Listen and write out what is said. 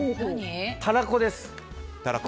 たらこです。